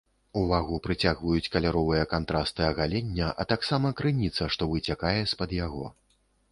Увагу прыцягваюць каляровыя кантрасты агалення, а таксама крыніца, што выцякае з-пад яго.